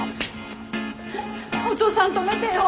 お父さん止めてよ。